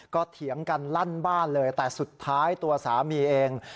ก็เถียงกันลั่นบ้านเลยแต่สุดท้ายตัวสามีเอง